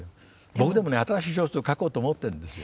僕でもね新しい小説を書こうと思ってるんですよ。